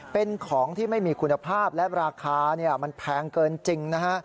เป็นของที่ไม่มีคุณภาพและราคามันแพงเกินจริงนะฮะ